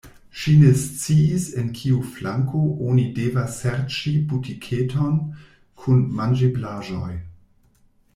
Ŝi ne sciis, en kiu flanko oni devas serĉi butiketon kun manĝeblaĵoj.